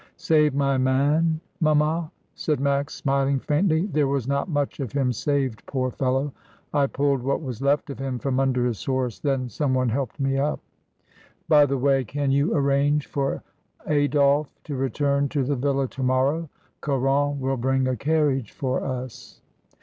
"Save my man, mamma?" said Max, smiling faintly. "There was not much of him saved, poor fellow. I pulled what was left of him from under his horse, then some one helped me up. By the way, can you arrange for Adolphe to return to the villa to morrow? Caron will bring a carriage for us."